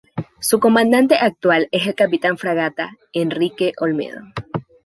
Su comandante actual es el capitán de fragata Enrique Olmedo.